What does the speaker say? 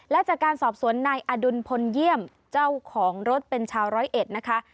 และจากการสอบสวนนายอดุลพลเยี่ยมเจ้าของรถเป็นชาวร้อยเอ็ดนะคะ